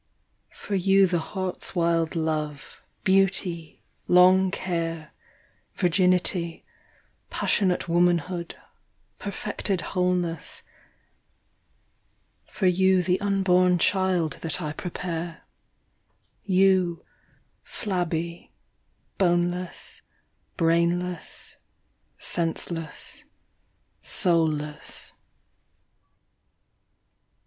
For you the heart's wild love, beauty, long care, Virginity, passionate womanhood, perfected wholeness ; For you the unborn child that I prepare, — You, flabby, boneless, brainless, senseless, soulless.